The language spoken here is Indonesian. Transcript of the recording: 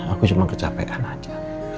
aku cuma kecapekan aja